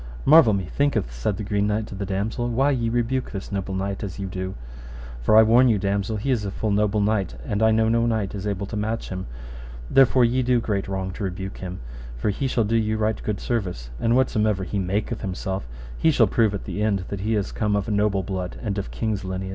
Marvel methinketh, said the Green Knight to the damosel, why ye rebuke this noble knight as ye do, for I warn you, damosel, he is a full noble knight, and I know no knight is able to match him; therefore ye do great wrong to rebuke him, for he shall do you right good service, for whatsomever he maketh himself, ye shall prove at the end that he is come of a noble blood and of king's lineage.